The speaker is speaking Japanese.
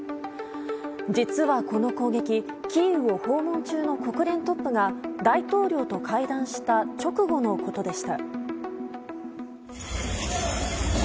実はこの攻撃キーウを訪問中の国連トップが大統領と会談した直後のことでした。